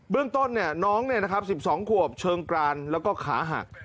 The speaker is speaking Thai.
เรื่องต้นน้อง๑๒ขวบเชิงกรานแล้วก็ขาหัก